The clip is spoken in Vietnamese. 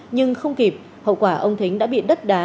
nhưng không kịp hậu quả ông thính đã bị đất đá